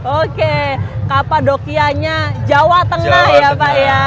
oke kapadokianya jawa tengah ya pak ya